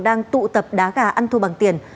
đang tụ tập đá gà ăn thu bằng tiền